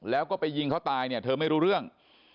แล้วก็ไปยิงเขาตายเนี่ยเธอไม่รู้เรื่อง